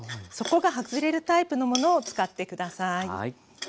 底が外れるタイプのものを使って下さい。